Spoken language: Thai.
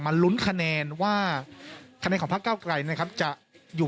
ลุ้นคะแนนว่าคะแนนของพระเก้าไกรนะครับจะอยู่